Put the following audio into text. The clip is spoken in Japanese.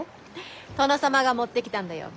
殿様が持ってきたんだよ。